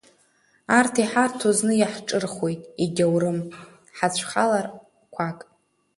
Арҭ иҳарҭо зны иаҳҿырхуеит, егьаурым ҳацәхалар қәак.